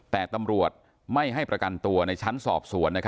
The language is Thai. แต่ตำรวจไม่ให้ประกันตัวในชั้นสอบสวน